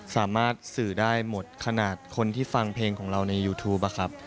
สามารถสื่อได้หมดขนาดคนที่ฟังเพลงของเราในยูทูปอะครับ